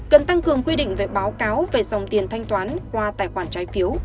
cần tăng cường quy định về báo cáo về dòng tiền thanh toán qua tài khoản trái phiếu